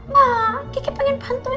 mbak kiki pengen bantuin